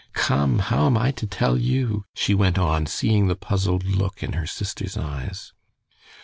Come, how am I to tell you?" she went on, seeing the puzzled look in her sister's eyes.